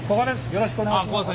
よろしくお願いします。